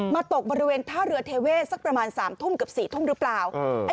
ตกบริเวณท่าเรือเทเวศสักประมาณ๓ทุ่มกับ๔ทุ่มหรือเปล่า